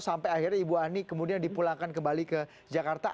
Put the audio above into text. sampai akhirnya ibu ani kemudian dipulangkan kembali ke jakarta